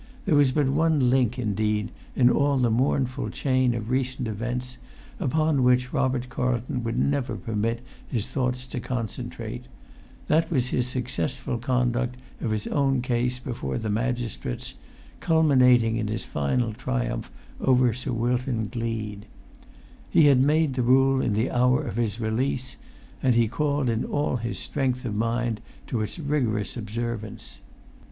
There was but one link, indeed, in all the mournful chain of recent events, upon which Robert Carlton would never permit his thoughts to concentrate; that was his successful conduct of his own case before the magistrates, culminating in his final triumph over Sir Wilton Gleed. He had made the rule in the hour of his release, and he called in all his strength of mind to its rigorous observance.